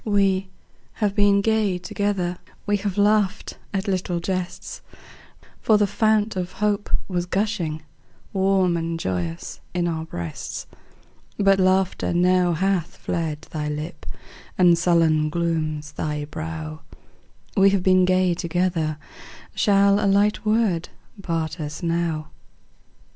We have been gay together; We have laughed at little jests; For the fount of hope was gushing Warm and joyous in our breasts, But laughter now hath fled thy lip, And sullen glooms thy brow; We have been gay together, Shall a light word part us now?